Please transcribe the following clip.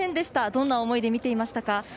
どんな思いで見ていましたか？